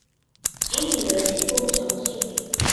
এ নিয়ে রয়েছে বহু জনশ্রুতি।